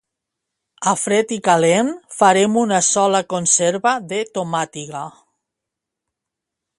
A Fred i Calent farem una sola conserva de tomàtiga.